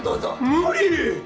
無理。